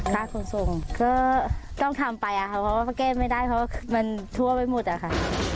ค่าคนส่งก็ต้องทำไปเพราะว่าเก็บไม่ได้เพราะว่ามันถั่วไปหมดค่ะ